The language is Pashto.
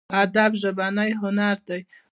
ادب ژبنی هنر دی.